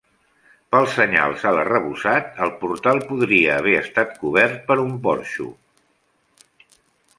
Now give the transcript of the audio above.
Pels senyals a l'arrebossat el portal podria haver estat cobert per un porxo.